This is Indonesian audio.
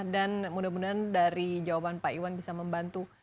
dan mudah mudahan dari jawaban pak iwan bisa membantu